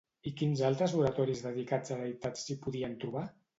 I quins altres oratoris dedicats a deïtats s'hi podien trobar?